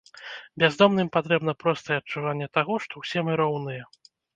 Бяздомным патрэбна простае адчуванне таго, што ўсе мы роўныя.